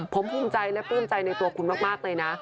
ผมภูมิใจและปลื้มใจในตัวคุณมากเลยนะ